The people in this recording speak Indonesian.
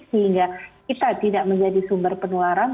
sehingga kita tidak menjadi sumber penularan